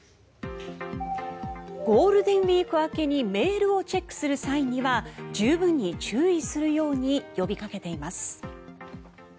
ゴールデンウィーク明けにメールをチェックする際には十分に注意するように呼びかけています。